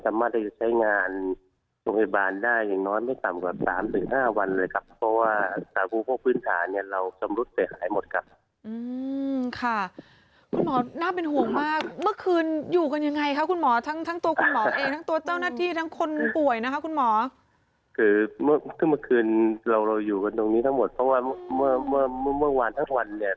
คุณหมอน่าเป็นห่วงมากคุณหมอต้องเคยทำไง